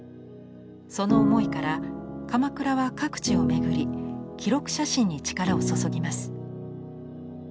その思いから鎌倉は各地を巡り記録写真に力を注ぎます。